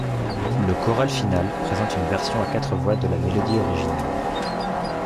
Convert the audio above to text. Le choral final présente une version à quatre voix de la mélodie originale.